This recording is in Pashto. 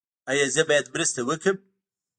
ایا زه باید مرسته وکړم؟